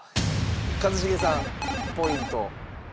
一茂さんポイント没収。